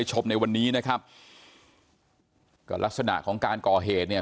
ชมในวันนี้นะครับก็ลักษณะของการก่อเหตุเนี่ย